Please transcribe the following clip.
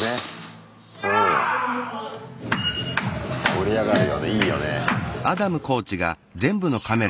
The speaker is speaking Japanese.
盛り上がるよねいいよね。